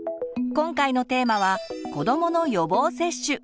今回のテーマは「子どもの予防接種」。